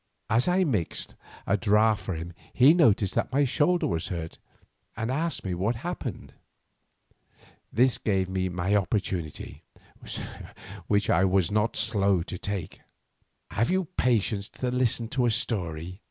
As I mixed a draught for him he noticed that my shoulder was hurt and asked me what had happened. This gave me my opportunity, which I was not slow to take. "Have you patience to listen to a story?"